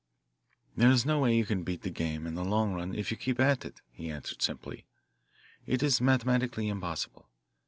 "There is no way you can beat the game in the long run if you keep at it," he answered simply. "It is mathematically impossible.